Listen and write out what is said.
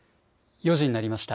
４時になりました。